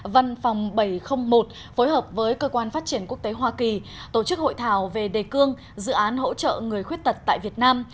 văn phòng bảy trăm linh một phối hợp với cơ quan phát triển quốc tế hoa kỳ tổ chức hội thảo về đề cương dự án hỗ trợ người khuyết tật tại việt nam